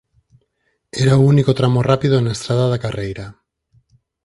Era o único tramo rápido na estrada da carreira.